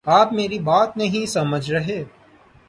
آپ میری بات نہیں سمجھ رہے